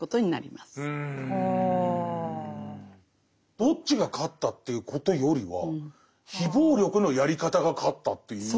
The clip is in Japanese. どっちが勝ったということよりは非暴力のやり方が勝ったという感じかな。